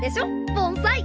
盆栽。